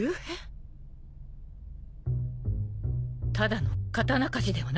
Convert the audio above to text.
ただの刀鍛冶ではなさそうね。